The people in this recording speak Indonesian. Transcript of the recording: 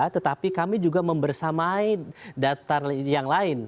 tetapi kami juga membersamai data yang lain